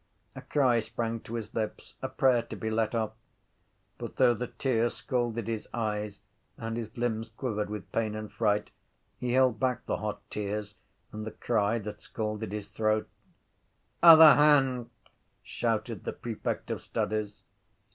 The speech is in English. A cry sprang to his lips, a prayer to be let off. But though the tears scalded his eyes and his limbs quivered with pain and fright he held back the hot tears and the cry that scalded his throat. —Other hand! shouted the prefect of studies.